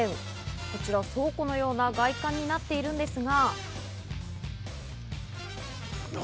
こちら、倉庫のような外観になっているんですが。